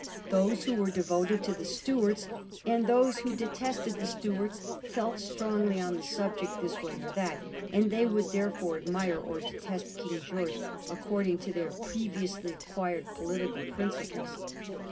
Those who were devoted to the Stuarts and those who detested the Stuarts felt strongly on the subject this way or that, and they would there ford admire or detest King George, according to their previously acquired political principles.